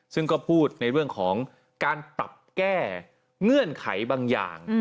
ซึ่งก็พูดในเรื่องของการปรับแก้เงื่อนไขบางอย่าง